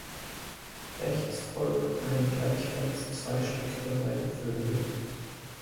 Rechts folgt ein gleichfalls zweistöckiger Seitenflügel.